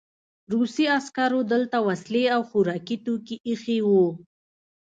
روسي عسکرو دلته وسلې او خوراکي توکي ایښي وو